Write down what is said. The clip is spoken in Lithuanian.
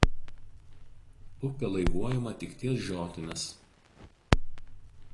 Upė laivuojama tik ties žiotimis.